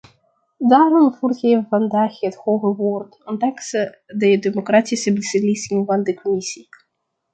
Daarom voert hij vandaag het hoge woord, ondanks de democratische beslissing van de commissie.